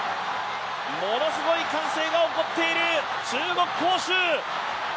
ものすごい歓声が起こっている、中国・杭州。